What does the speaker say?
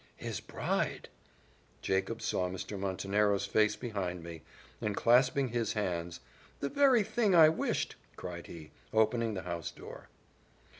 "His bride!" Jacob saw Mr. Montenero's face behind me, and clasping his, hands, "The very thing I wished!" cried he, opening the house door.